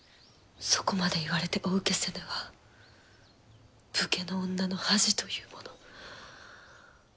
そこまで言われてお受けせぬは武家の女の恥というもの。